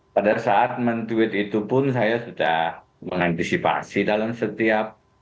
pada saat men tweet itu pun saya sudah mengantisipasi dalam setiap